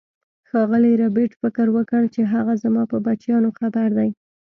ښاغلي ربیټ فکر وکړ چې هغه زما په بچیانو خبر دی